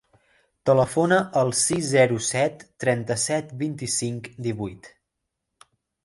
Telefona al sis, zero, set, trenta-set, vint-i-cinc, divuit.